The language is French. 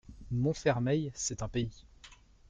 Montfermeil, c'est un pays.